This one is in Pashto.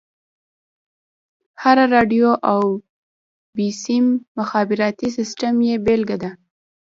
هره راډيو او بيسيم مخابراتي سيسټم يې بېلګه ده.